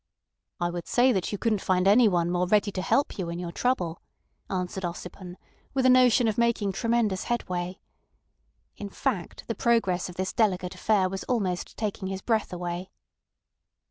"I would say that you couldn't find anyone more ready to help you in your trouble," answered Ossipon, with a notion of making tremendous headway. In fact, the progress of this delicate affair was almost taking his breath away.